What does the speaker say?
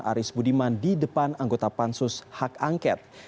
aris budiman di depan anggota pansus hak angket